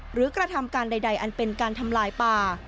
กระทำการใดอันเป็นการทำลายป่า